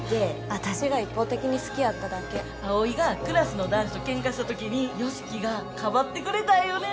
私が一方的に好きやっただけクラスの男子とケンカしたときに由樹がかばってくれたんよね